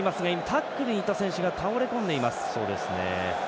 タックルにいった選手が倒れ込んでいます。